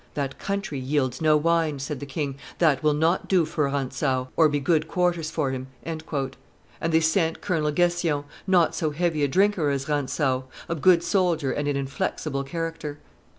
"That country yields no wine," said the king "that will not do for Rantzau, or be good quarters for him." And they sent Colonel Gnssion, not so heavy a drinker as Rantzau, a good soldier and an inflexible character.